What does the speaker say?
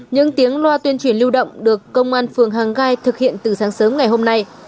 những tiếng loa tuyên truyền lưu động được công an phường hàng gai thực hiện từ sáng sớm ngày hôm nay